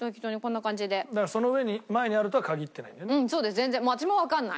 全然私もわかんない。